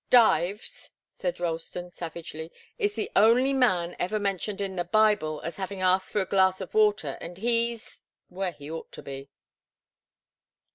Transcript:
"Dives," said Ralston, savagely, "is the only man ever mentioned in the Bible as having asked for a glass of water, and he's where he ought to be."